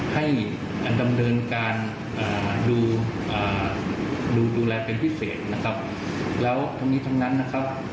ให้ดำเนินการดูดูแลเป็นพิเศษนะครับแล้วทั้งนี้ทั้งนั้นนะครับ